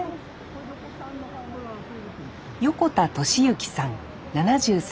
横田利行さん７３歳。